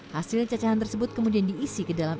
hasil cacahan tersebut kemudian diisi ke dalam